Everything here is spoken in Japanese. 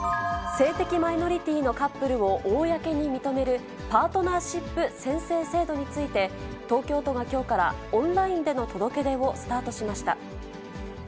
性的マイノリティのカップルを公に認めるパートナーシップ宣誓制度について、東京都がきょうからオンラインでの届け出をスタートしました。